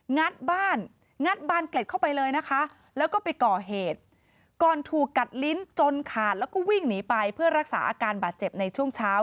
ัดบ้านงัดบานเกล็ดเข้าไปเลยนะคะแล้วก็ไปก่อเหตุก่อนถูกกัดลิ้นจนขาดแล้วก็วิ่งหนีไปเพื่อรักษาอาการบาดเจ็บในช่วงเช้า